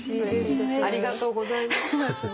ありがとうございます。